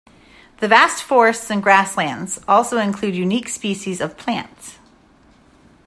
The vast forests and grasslands also include unique species of plants.